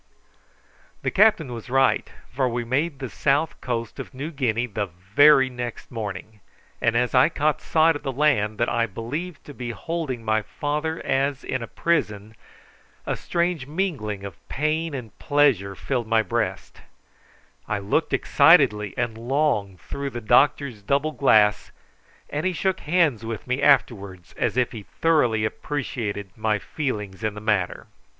The captain was right, for we made the south coast of New Guinea the very next morning, and as I caught sight of the land that I believed to be holding my father as in a prison, a strange mingling of pain and pleasure filled my breast I looked excitedly and long through the doctor's double glass, and he shook hands with me afterwards, as if he thoroughly appreciated my feelings in the matter.